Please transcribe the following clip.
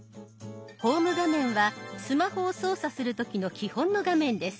ホーム画面はスマホを操作する時の基本の画面です。